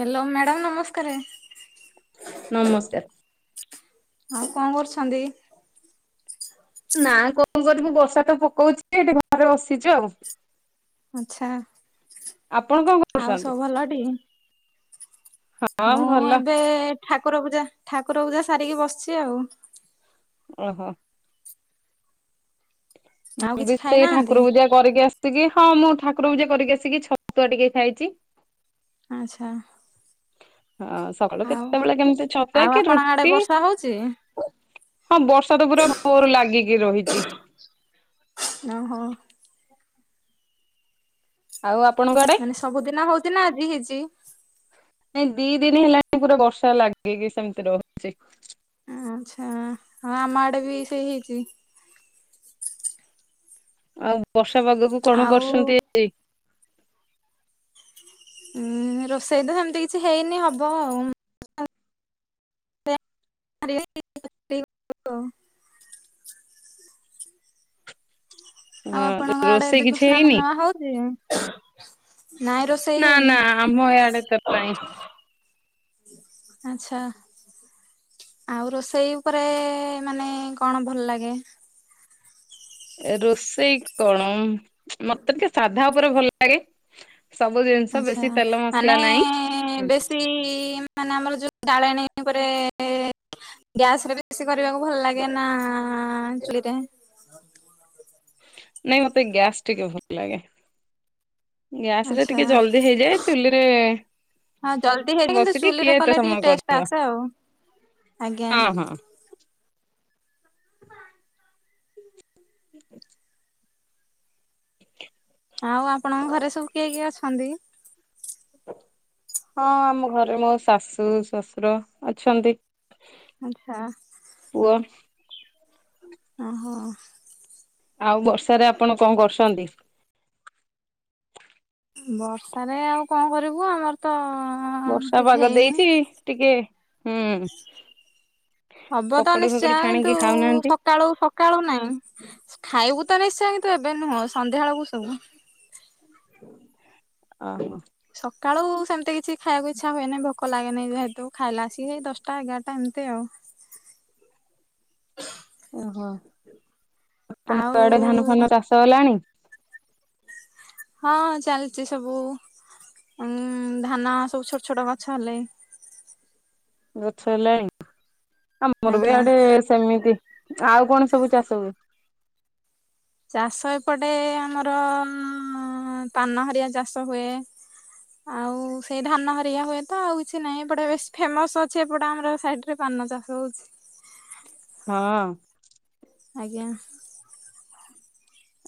Hello madam ନମସ୍କାରେ। ନମସ୍କାର୍। ଆଉ କଁ କରୁଛନ୍ତି? ନା କଁ କରିବୁ ବର୍ଷା ତ ପକଉଚି ଏଠି ଘରେ ବସିଚୁ ଆଉ। ଆଚ୍ଛା ଆପଣ କଣ ଆଉ କରୁଛନ୍ତି? ସବୁ ଭଲଟି। ହଁ ମୁଁ ଭଲ ଏବେ ଠାକୁର ପୂଜା ଠାକୁର ପୂଜା ସାରିକି ବସିଚି ଆଉ। ଓହୋ। ଆଉ ମୁଁ କିଛି ବି ସେଇ ଖାଇନାହାନ୍ତି ଠାକୁର ପୂଜା କରିକି ଆସିକି ହଁ ମୁଁ ଠାକୁର ପୂଜା କରିକି ଆସିକି ଛତୁଆ ଟିକେ ଖାଇଚି। ଆଚ୍ଛା। ହଁ ସକାଳୁ ଆଉ କେତେବେଳେ କେମତି ଛତୁଆ ଆଉ କି ଆପଣଙ୍କ ଆଡେ ରୁଟି। ବର୍ଷା ହଉଛି? ହଁ ବର୍ଷା ତ ପୁରା ଭୋରୁ ଲାଗିକି ରହିଚି। ନା ଓହୋ। ଆଉ ଆପଣଙ୍କ ଆଡେ? ମାନେ ସବୁଦିନ ହଉଚି ନା ଆଜି ହେଇଚି। ନାଇଁ ଦି ଦିନି ହେଲାଣି ପୁରା ବର୍ଷା ଲାଗିକି ସେମତି ରହୁଚି। ଆଁଚ୍ଛାଁ ହଁ ଆମ ଆଡେ ବି ସେଇ ହେଇଚି। ଆଉ ବର୍ଷା ପାଗକୁ କଣ ଆଉ କରୁସନ୍ତି? ଉଁ ରୋଷେଇ ତ ସେମତି କିଛି ହେଇନି ହବ ଆଉ ଉଁ। [inaudible] ଆଉ ହଁ ଆପଣଙ୍କ ଆଡେ ରୋଷେଇ କିଛି ଦେବସ୍ନାନ ହେଇନି? ପୂର୍ଣ୍ଣିମା ହଉଚି? ନାଇଁ ରୋଷେଇ ନା ହେଇନି। ନା ଆମ ଇଆଡେ ତ ନାଇଁ ଆଚ୍ଛା। ଆଉ ରୋଷେଇ ଉପରେ ମାନେ କଣ ଭଲ ଲାଗେ? ଏ ରୋଷେଇ କଣ ଉଁ ମତେ ଟିକେ ସାଧା ଉପରେ ଭଲ ଲାଗେ। ସବୁ ଜିନିଷ ବେଶି ତେଲ ମସଲା ନାଇଁ। ସେଇ ମାନେ ଆମର ଯୋଉ ଡାଳେଣୀ ଉପରେ ଏ ଗ୍ୟାସରେ ବେଶୀ କରିବାକୁ ଭଲ ଲାଗେ ନା ଚୁଲିରେ। ନାଇଁ ମତେ ଗ୍ୟାସ୍ ଟିକେ ଭଲ ଲାଗେ। ଗ୍ୟାସରେ ଆଚ୍ଛା ଟିକେ ଜଲଦି ହେଇଯାଏ ଚୁଲିରେ ହଁ ଜଲଦି ହେଇ ଯେ କିନ୍ତୁ ବସିକି କିଏ ଚୁଲିରେ ଏତେ କଲେ ସମୟ ଟିକେ ଟେଷ୍ଟ କରିବ ଆସେ ଆଉ ଆଜ୍ଞା। ହଁ ହଁ [inaudible] ଆଉ ଆପଣଙ୍କ ଘରେ ସବୁ କିଏ କିଏ ଅଛନ୍ଦି? ହଁ ଆମ ଘରେ ମୋ ଶାଶୁ ଶ୍ୱଶୁର ଅଛନ୍ତି। ଆଁଚ୍ଛାଁ। ପୁଅ ଓହୋ। ଆଉ ବର୍ଷାରେ ଆପଣ କଁ କରୁସନ୍ତି? ବର୍ଷାରେ ଆଉ କଁ କରିବୁ ଆମର ତ ବର୍ଷା କିଛି ପାଗ ହେଇନି। ଦେଇଚି ଟିକେ ହୁଁ ହବ ତ ପକୋଡି ନିଶ୍ଚୟ, ଫକୋଡି କିନ୍ତୁ ଛାଣିକି ଖାଉନାହାନ୍ତି ସ କାଳୁ ସକାଳୁ ନାଇଁ। ଖାଇବୁ ତ ନିଶ୍ଚୟ କିନ୍ତୁ ଏବେ ନୁହଁ ସନ୍ଧ୍ୟାବେଳକୁ ସବୁ। ଅ ହୋ। ସକାଳୁ ସେମିତି କିଛି ଖାଇଆକୁ ଇଚ୍ଛା ହୁଏନେଇ ଭୋକ ଲାଗେନେଇ ଯେହେତୁ ଖାଇଲା ଆସିକି ସେଇ ଦଶଟା ଏଗାରଟା ଏମତି ଆଉ। ଓହୋ। ଆଉ ଆପଣଙ୍କ ଆଡେ ଧାନ ଫାନ ଚାଷ ହେଲାଣି? ହଁ ଚାଲିଛି ସବୁ। ଉମ୍ ଧାନ ସବୁ ଛୋଟ ଛୋଟ ଗଛ ହେଲେଇଁ। ଗଛ ହେଲାଣି? ଆମର ବି ଆଜ୍ଞା। ଆଡେ ସେମିତି। ଆଉ କଣ ସବୁ ଚାଷ ହୁଏ? ଚାଷ ଏପଟେ ଆମର ଅ ପାନ ହେରିଆ ଚାଷ ହୁଏ ଆଉ ସେଇ ଧାନ ହେରିକା ହୁଏ ତ ଆଉ କିଛି ନାହିଁ। ଏପଟେ ବେଶୀ ଫେମସ ଅଛି ଏପଟେ ଆମର ସାଇଟ୍ ରେ ପାନ ଚାଷ ହଉଛି। ହଁ। ଆଜ୍ଞା।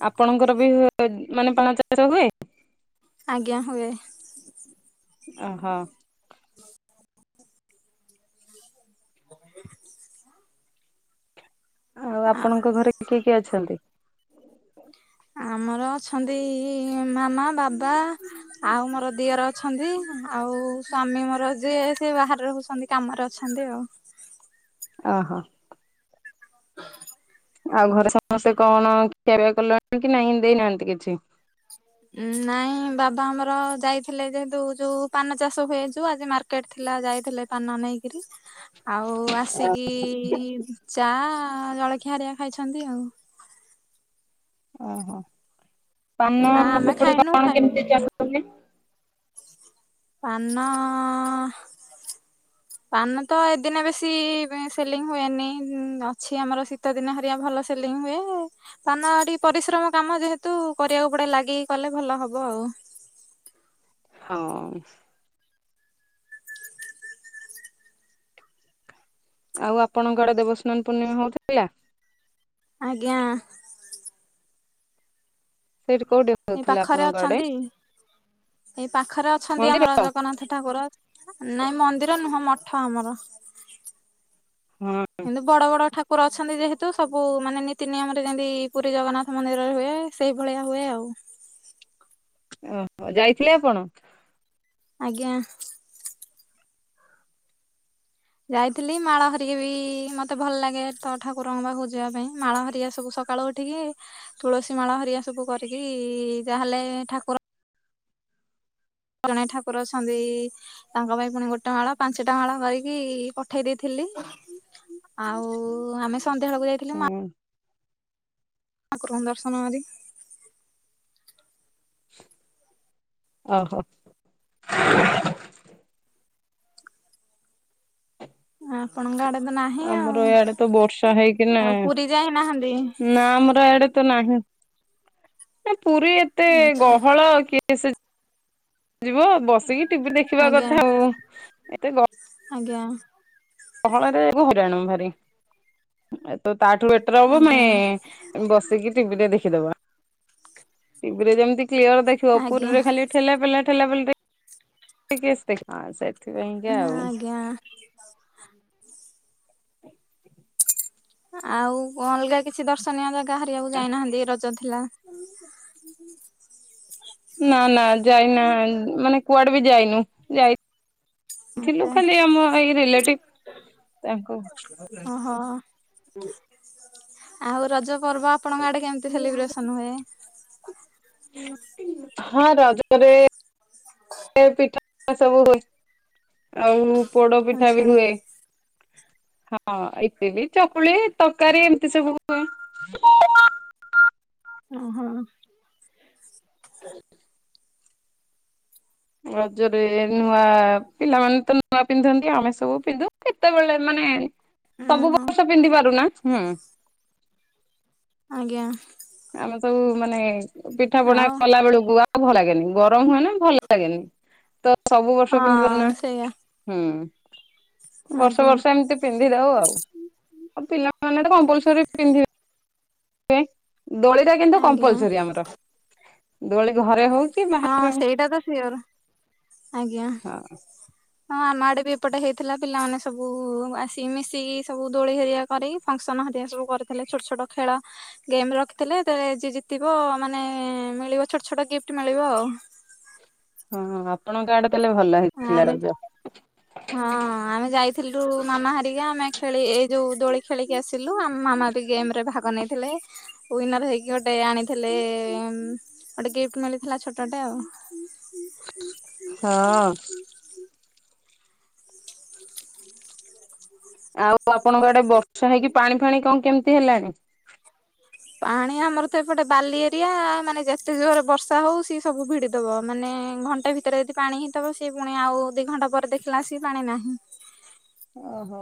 ଆପଣଙ୍କର ବି ହୁଏ ମାନେ ପାନ ଚାଷ ହୁଏ? ଆଜ୍ଞା, ହୁଏ। ଓହୋ। [inaudible] ଆଉ ଆ ଆପଣଙ୍କ ଘରେ କିଏ କିଏ ଅଛନ୍ତି? ଆମର ଅଛନ୍ତି ମାମା, ବାବା ଆଉ ମୋର ଦିଅର ଅଛନ୍ତି ଆଉ ସ୍ଵାମୀ ମୋର ଯିଏ, ସିଏ ବାହାରେ ରହୁଛନ୍ତି। କାମରେ ଅଛନ୍ତି ଆଉ। ଓହୋ। ଆଉ ଘରେ ସମସ୍ତେ କଣ ଖିଆ ପିଆ କଲେଣି କି ନାହିଁ, ଦେଇନାହାଁନ୍ତି କିଛି? ନାଇଁ ବାବା ଆମର ଯାଇଥିଲେ ଯେହେତୁ ଯୋଉ ପାନ ଚାଷ ହୁଏ ଯୋଉ ଆଜି ମାର୍କେ ର୍କେଟ ଥିଲା, ଯାଇଥିଲେ ପାନ ନେଇ ବିକିର। ଆଉ ଆସିକି ଚା ଜଳଖିଆ ହେରିକା ଖାଇଛନ୍ତି ଆଉ। ଓହୋ। ପାନ ଆ ଆମେ ସେପଟେ ଖାଇନୁ କଣ ଖାଇବୁ କେମତି ଚାଲୁ ପାନ ପାନ ତ ଏଦିନେ ବେଶି ସେଲିଙ୍ଗ ହୁଏନି, ଉମ୍ ଅଛି ଆମର ଶୀତଦିନ ହେରିଆ ଭଲ ସେ ସେଲିଙ୍ଗ ହୁଏ ପାନ ଟିକେ ପରିଶ୍ରମ କାମ ଯେହେତୁ କରିବାକୁ ପଡେ ଲାଗିକି କଲେ ଭଲ ହବ ଆଉ। ହଁ। ଆଉ ଆପଣଙ୍କ ଆଡେ ଦେବସ୍ନାନ ପୂର୍ଣ୍ଣିମା ହଉଥିଲା? ଆଜ୍ଞା। ସେଇଠି କୋଉଠି ଏଇ ହଉଥିଲା ପାଖରେ ଆପଣଙ୍କ ଆଡେ ଅଛନ୍ତି, ଏଇ ପାଖରେ ଅଛନ୍ତି ମନ୍ଦିର? ଆମର ଜଗନ୍ନାଥ ଠାକୁର ନାଇଁ ମନ୍ଦିର ନୁହଁ, ମଠ ଆମର। ହଁ। କିନ୍ତୁ ବଡ ବଡ ଠାକୁର ଅଛନ୍ତି ଯେହେତୁ, ସବୁ ମାନେ ନୀତି ନିୟମରେ ଯେମତି ପୁରୀ ଜଗନ୍ନାଥ ମନ୍ଦିରରେ ହୁଏ ସେଇଭଳିଆ ହୁଏ ଆଉ। ଓହୋ। ଯାଇଥିଲେ ଆପଣ? ଆଜ୍ଞା। ଯାଇଥିଲି ମାଳ ହେରିକା ବି ମତେ ଭଲ ଲାଗେ ତ ଠାକୁରଙ୍କ ପାଖକୁ ଯିବା ପାଇଁ, ମାଳ ହେରିକା ସବୁ ସ ସକାଳ ଉଠିକି ତୁଳସୀ ମାଳ ହେରିକା ସବୁ କରିକି ଯାହାହେଲେ ଠାକୁର ଜଣେ ଠାକୁର ଅଛନ୍ତି ତାଙ୍କ ପାଇଁ ପୁଣି ଗୋଟେ ମାଳ, ପାଞ୍ଚଟା ମାଳ କରିକି ପଠେଇ ଦେଇଥିଲି। ଆଉ ଆମେ ସନ୍ଧ୍ୟାବେଳକୁ ଯାଇଥିଲୁ ମା ହଁ ଠାକୁରଙ୍କୁ ଦର୍ଶନ କରିକି ହଉ ହଉ। ଆଉ ଆପଣଙ୍କ ଆଡ଼େ ତ ନାହିଁ ଆଉ ଆମର ଏଇଆଡେ ତ ବର୍ଷା ହେଇକି ନା ଆଉ ପୁରୀ ଯାଇନାହାନ୍ତି ନା ଆମର ଏଡେ ତ ନାହିଁ ନା ପୁରୀ ଏତ ଆଚ୍ଛା ଗହଳ କି କିଏ ସେ ଯ ବସିକି ଟିଭି ଦେଖିବା ଆଜ୍ଞା କଥା ହଉ ଏତେ ଗହ ଆଜ୍ଞା ଗହଳ ରେ ହଇରାଣ ଭାରି ଏ ତ ତାଠୁ ବେଟର ହବ ଆଜ୍ଞା ମୁଁ ବସିକି ଟିଭିରେ ଦେଖିଦବା ଟିଭିରେ ଯେମିତି କ୍ଲିୟର ଦେଖିବ ପୁରୀ ଆଜ୍ଞା ରେ ଖାଲି ଠେଲାପିଲା ଠେଲା ରେ କିଏସେ ଦେଖି ସେଥିପାଇଁ କା ଆଉ ଆଜ୍ଞା [unintelligible] ଆଉ କଣ ଅଲଗା କିଛି ଦର୍ଶନୀୟ ଜାଗା ହାରିବାକୁ ଯାଇନାହାନ୍ତି ରଜ ଥିଲା। [unintelligible] ନା ନା ଯାଇନା ମାନେ କୁଆଡେ ବି ଯାଇନୁ ଯାଇ ଥିଲୁ ଆଚ୍ଛା ଖାଲି ଆମ ଏଇ ରିଲେଟିଭ ତାଙ୍କ ଓହୋ ଆଉ ରଜ ପର୍ବ ଆପଣଙ୍କ ଆଡେ କେମିତି ସେଲିବ୍ରେସନ ହୁଏ। ହଁ ରଜରେ ପିଠା ସବୁ ହୁଏ ଆଉ ପୋଡ ପିଠା ଆଚ୍ଛା ବି ହୁଏ। ହଁ ଇଥିଲି ଚକୁଳି ତରକାରୀ ଏମିତି ସବୁ ହୁଏ। ଓ ହୋ [inaudible] ରଜରେ ନୂଆ ପିଲାମାନେ ତ ନୂଆ ପିନ୍ଧନ୍ତି ଆମେ ସବୁ ପିନ୍ଧୁ କେତେବେଳେ ମାନେ ସବୁ ଓହୋ ବର୍ଷ ପିନ୍ଧି ପାରୁନା। ହୁଁ ଆଜ୍ଞା ଆମେ ସବୁ ମାନେ ପିଠା ପଣା ଆଉ କଲା ବେଳକୁ ଆଉ ଭଲ ଲାଗେନି ଗରମ ହୁଏ ନା ଭଲ ଲାଗେନି ତ ସବୁ ବର୍ଷ ପିନ୍ଧି ପାରୁନା। ହଁ ସେଇଆ ହୁଁ ବର୍ଷ ଆଜ୍ଞା ବର୍ଷ ଏମତି ପିନ୍ଧି ଦଉ ଆଉ ପିଲାମାନେ ତ କମ୍ପଲସରି ପିନ୍ଧିବେ। ଦୋଳି ଟା କିନ୍ତୁ ଆଜ୍ଞା କମ୍ପଲସରିୀ ଆମର ଦୋଳି ଘରେ ହଉ। କି ହଁ ବାହାରେ ସେଇଟା ତ ସିଓର ଆଜ୍ଞା ହଉ ହଁ ଆମ ଆଡେ ବି ଏପଟେ ହେଇଥିଲା ପିଲାମାନେ ସବୁ ଆସିକି ମିଶିକି ସବୁ ଦୋଳି ହେରିକା କରି ଫଙ୍କସନ ହରିଆ ସବୁ କରିଥିଲେ ଛୋଟ ଛୋଟ ଖେଳ ଗେମରେ ରଖିଥିଲେ ଯିଏ ଜିତିବ ମାନେ ମିଳିବ ଛୋଟ ଛୋଟ ଗିଫ୍ଟ ମିଳିବ ଆଉ ହଁ ଆପଣଙ୍କ ଆଡେ ଦେଲେ ଭଲ ହେଇଥିଲା ଆମେ ରଜ। ହଁ ଆମେ ଯାଇଥିଲୁୁ ମାମା ହାରିକା ଆମେ ଖେଳି ଏଇ ଯୋଉ ଦୋଳି ଖେଳି ଆସିଲୁ ଆମ ମାମା ବି ଗେମ ରେ ଭାଗ ନେଇଥିଲେ। ୱିନର ହେଇକି ଗୋଟେ ଆଣିଥିଲେ ଗୋଟେ ଗିଫ୍ଟ ମିଳିଥିଲା ଛୋଟଟେ ଆଉ। ହଁ ଆଉ ଆପଣଙ୍କ ଆଡେ ବର୍ଷା ହେଇକି ପାଣି ଫାଣି କଣ କେମିତି ହେଲାଣି। ପାଣି ଆମର ତ ଏପଟେ ବାଲି ଏରିଆ ମାନେ ଯେତେ ଜୋରରେ ବର୍ଷା ହଉ ସି ସବୁ ଭିଡିଦବ ମାନେ ଘଣ୍ ଣ୍ଟ ଭିତରେ ଯଦି ପାଣି ହେଇଥିବ ସେିଏ ପୁଣି ଆଉ ଦିଇ ଘଣ୍ଟା ପରେ ଦେଖିଲା ସଏ ପାଣି ନାହିଁ। ଓହୋ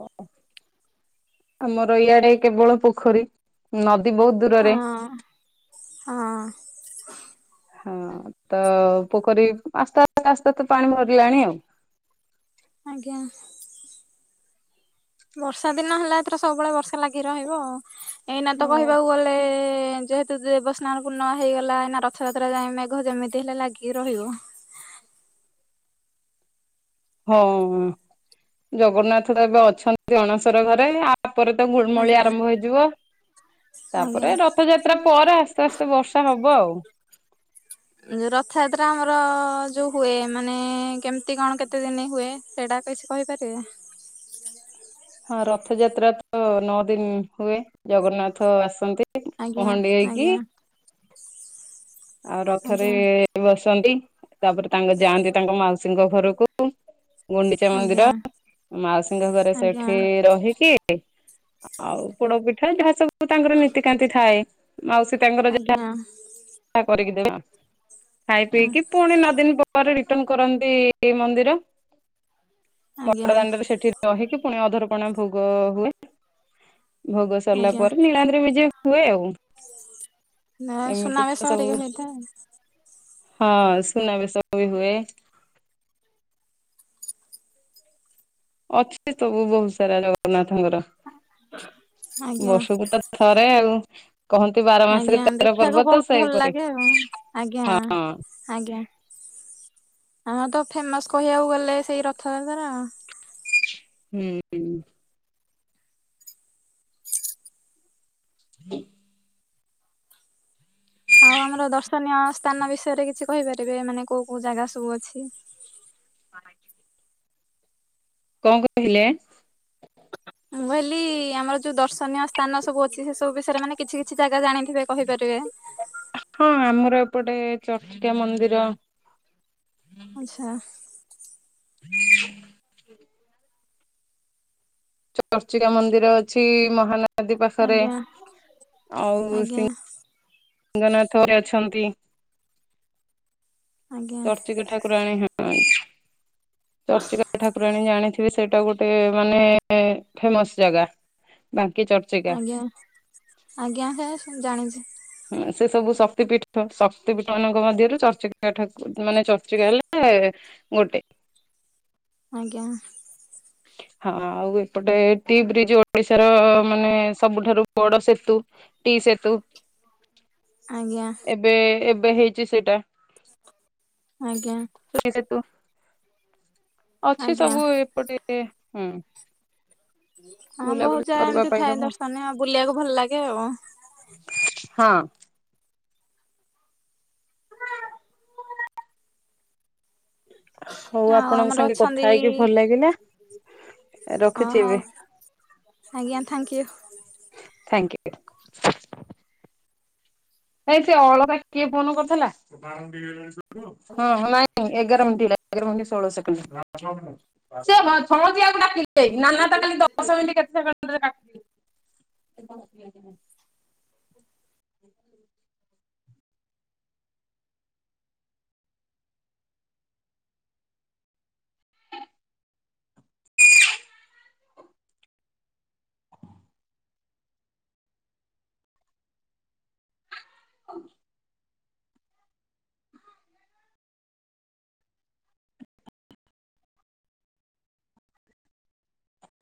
ଆମର ଇଆଡେ କେବଳ ପୋଖରୀ। ନଦୀ ବହୁତ ହଁ ଦୂରରେ। ହଁ [inaudible] ହଁ ତ ପୋଖରୀ ଆସ୍ତେ ଆସ୍ତେ ତ ପାଣି ଭରିଲାଣି ଆଉ। ଆଜ୍ଞା ବର୍ଷା ଦିନ ହେଲାଥର ସବୁବେଳେ ବର୍ଷା ଲାଗି ରହିବ ଆଉ। ଏଇନା ତ କହିବାକୁ ଗଲେ ଯେହେତ ଦେବସ୍ନାନ ପୂର୍ଣ୍ଣ ହେଇଗଲା ନା ରଥଯାତ୍ରା ଯାଏ ମେଘ ଯେମିତି ହେଲେ ଲାଗିକି ରହିବ। ହଁ ଜଗନ୍ନାଥ ଏବେ ଅଛନ୍ତି ଅଣସର ଘରେ ଆ ତାପରେ ତ ଘୁଳମୁଳି ଆଜ୍ଞା ଆରମ୍ଭ ହେଇଯିବ ଆଜ୍ଞା। ତାପରେ ରଥଯାତ୍ରା ପରେ ଆସ ଆସ୍ତେ ଆସ୍ତେ ବର୍ଷା ହବ ଆଉ। ଯୋଉ ରଥଯାତ୍ରା ଆମର ଯୋଉ ହୁଏ ମାନେ କେମିତି କଣ କେତେ ଦିନ ହୁଏ। ସେଇଟା କିଛି କହିପାରିବେ? ହଁ ରଥଯାତ୍ରା ତ ନଅ ଦିନ ହୁଏ ଜଗନ୍ନାଥ ଆସନ୍ତି। ଆଜ୍ଞା ପହଣ୍ଡି ହେଇକି ଆଜ୍ଞା ଆଉ ରଥରେ ଆଜ୍ଞା ବସନ୍ତି ତାପରେ ତାଙ୍କ ଯାଆନ୍ତି ତାଙ୍କ ମାଉସୀଙ୍କ ଘରକୁ। ଗୁଣ୍ଡିଚା ଆଜ୍ଞା ମନ୍ଦିର ମାଉସୀଙ୍କ ଘରେ ସେଠି ଆଜ୍ଞା। ରହିକି ଆଉ ପୋଡ ପିଠା ଯାହା ସବୁ ତାଙ୍କର ନୀତିକାନ୍ତି ଥାଏ। ମାଉସୀ ତାଙ୍କର ଆଜ୍ଞା ଯାହା କରିକି ଦେବା ଖାଇ ପିଇକି ପୁଣି ନ ଦିନ ପରେ ରିଟର୍ଣ କରନ୍ତି ମନ୍ଦିର ବଡ ଆଜ୍ଞା ଦାଣ୍ଡରେ ସେଠି ରହିକି ପୁଣି ଅଧର କଣା ଭୋଗ ହୁଏଏ। ଭୋଗ ସରିଲା ପରେ ଆଜ୍ଞା ନୀଳାନ୍ତରେ ବିଜେ ହୁଏ ଆଉ। ଏମିତି ସୁନାବେଶ ତ ସବୁ ହେରିକା ହେଇଥାଏ ହଁ ସୁନାବେ ସବୁ ବି ହୁଏ। ଅଛି ସବୁ ବହୁତ ସାରା ଜଗନ୍ନାଥଙ୍କର। ଆଜ୍ଞା। ବର୍ଷକୁ ତ ଥରେ ଆଉ। କହନ୍ତି ବାର ମାସରେ ଆଜ୍ଞା ତେର ଦେଖିବାକୁ ପର୍ବ ତ ବହୁତ ଭଲ ସେଇପରି ଲାଗେ ଆଉ ଆଜ୍ଞା। ହଁ। ଆଜ୍ଞା ହଁ ତ ଫେମସ କହିବାକୁ ଗଲେ ସେଇ ରଥଯାତ୍ରା। ହୁଁ ହୁଁ। [inaudible] ଆଉ ଆମର ଦର୍ଶନୀୟ ସ୍ଥାନ ବିଷୟରେ କିଛି କହିପାରିବେ ମାନେ କୋଉ କୋଉ ଜାଗା ସବୁ ଅଛି। ଆଜ୍ଞା। କଣ କହିଲେ? ମ କହିଲି ଆମର ଯୋଉ ଦର୍ଶନୀୟ ସ୍ଥାନ ସବୁ ଅଛି। ସେ ସବୁ ବିଷୟରେ ମାନେ କିଛି କିଛି ଜାଗା ଜାଣିଥିବେ କହିପାରିବେ? ହଁ ଆମର ଏପଟେ ଚର୍ଚିକା ମନ୍ଦିର। ଆଚ୍ଛା। [inaudible] ଚର୍ଚିକା ମନ୍ଦିର ଅଛି। ମହାନଦୀ ପାଖରେ ଆଜ୍ଞା ଆଉ ଆଜ୍ଞା ସିଙ୍ଗନାଥ ବି ଅଛନ୍ତି। ଆଜ୍ଞା ଚର୍ଚ୍ଚିକା ଠାକୁ ଠାକୁରାଣୀ ହଁ ଚର୍ଚ୍ଚିକା ଠାକୁରାଣୀ ଜାଣି ସେଇଟା ଗୋଟେ ମାନେ ଫେମସ୍ ଜାଗା। ବାଙ୍କି ଚର୍ଚ୍ଚି ଆଜ୍ଞା ଆଜ୍ଞା ହେ ଜାଣିଛି। ସେ ସବୁ ଶକ୍ତିପୀଠ ଶକ୍ତି ପୀଠ ମାନଙ୍କ ମଧ୍ୟରୁ ଚର୍ଚ୍ଚିକା ଠା ମାନେ ଚର୍ଚ୍ଚିକା ହେଲେ ଗୋଟେ। ଆଜ୍ଞା। ହଁ ଆଉ ଏପଟେ ଟି ବ୍ରିଜ ଓଡିଶାର ମାନେ ସବୁଠାରୁ ବଡ ସେତୁ। ଟି ସେତୁ। ଆଜ୍ଞା। ବେ ଏବେ ହେଇଛି ସେଇଟା। ଆଜ୍ଞା। ସେତୁ ଅଛି ଆଜ୍ଞା ସବୁ ଏପଟେ ହୁଁ। ହଁ ବୁଲାବୁଲି ବହୁତ ଜାଗା କରିବା ଏମିତି ପାଇଁକା ଥାଏ ଭଲ ଦର୍ଶନୀୟ ଆଉ ବୁଲିବାକୁ ଭଲ ଲାଗେ ଆଉ। ହଁ। ହଉ ଆଉ ଆପଣଙ୍କ ଆମର ସାଙ୍ଗେ କଥା ଅଛନ୍ତି ହେଇକି ଭଲ ଲାଗିଲା। ଅ ରଖୁଛି ହଉ ଏବେ। ଆଜ୍ଞା ଥ୍ୟାଙ୍କୟୁ। ଥ୍ୟାଙ୍କୟୁ। ଏଇ ସେ ଅଳକା କିଏ ଫୋନ କରିଥିଲା? ହଁ ନାଇଁ ଏଗାର ମିନିଟ୍ ହେଲା ଏଗାର ମିନିଟ ଷୋହଳ ସେକେଣ୍ଡ ସେ ପୁରା ଠିକ୍ ହେଇଛି ନାନା ତ କାଲି ଦଶ ମିନିଟ୍ କେତେ ସେକେଣ୍ଡ ରେ କା ହଁ।